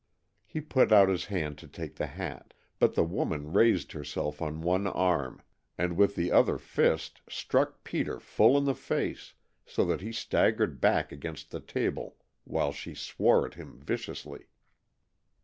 He put out his hand to take the hat, but the woman raised herself on one arm, and with the other fist struck Peter full in the face, so that he staggered back against the table, while she swore at him viciously.